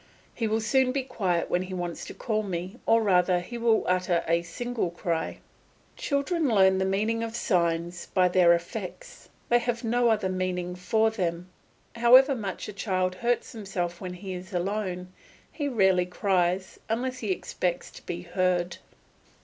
He will soon be quiet when he wants to call me, or rather he will utter a single cry. Children learn the meaning of signs by their effects; they have no other meaning for them. However much a child hurts himself when he is alone, he rarely cries, unless he expects to be heard.